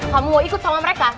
kamu mau ikut sama mereka